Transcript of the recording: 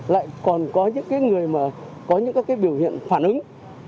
lại còn có những người có những biểu hiện phản ứng